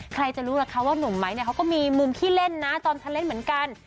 ใครจะรู้ล่ะคะว่าหนุ่มไม้เนี่ยเขาก็มีมุมขี้เล่นนะตอนเธอเล่นเหมือนกัน